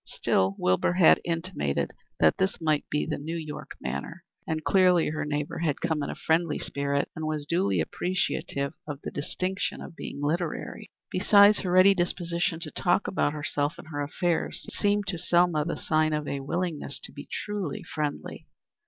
Still Wilbur had intimated that this might be the New York manner, and clearly her neighbor had come in a friendly spirit and was duly appreciative of the distinction of being literary. Besides, her ready disposition to talk about herself and her affairs seemed to Selma the sign of a willingness to be truly friendly.